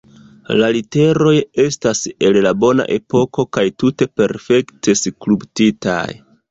La literoj estas el la bona epoko kaj tute perfekte skulptitaj.